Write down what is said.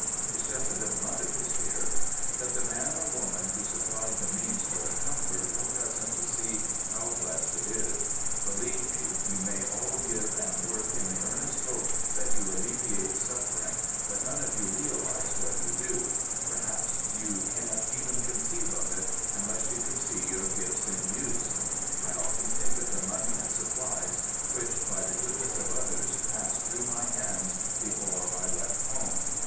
it's just as if mother was here,"—that the man or woman who supplied the means for the comfort were present to see how blessed it is. Believe me, you may all give and work in the earnest hope that you alleviate suffering, but none of you realize what you do,—perhaps you can't even conceive of it unless you could see your gifts in use. I often think of the money and supplies which, by the goodness of others, passed through my hands before I left home.